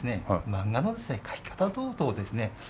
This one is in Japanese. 漫画の描き方等々をですね